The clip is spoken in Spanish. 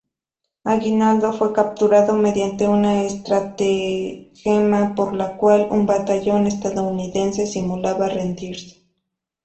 Aguinaldo fue capturado mediante una estratagema por la cual un batallón estadounidense simulaba rendirse.